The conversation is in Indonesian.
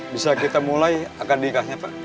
bisa kita mulai akan nikahnya pak